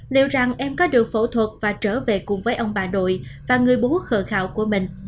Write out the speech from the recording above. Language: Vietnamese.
liệu rằng em có được phẫu thuật và trở về cùng với ông bà nội và người bố khờ khào của mình